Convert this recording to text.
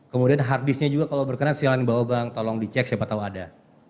kemudian hard disknya juga kalau berkenan silahkan dibawa bang tolong dicek siapa tahu ada